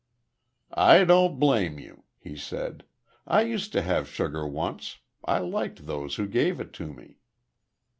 "I don't blame you," he said. "I used to have sugar once.... I liked those who gave it to me."